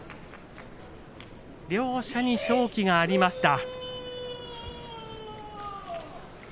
両者に勝機がありました。